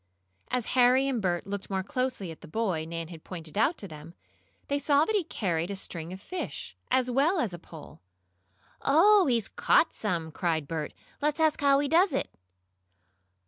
As Harry and Bert looked more closely at the boy Nan had pointed out to them, they saw that he carried a string of fish, as well as the pole. "Oh, he's caught some!" cried Bert. "Let's ask how he does it."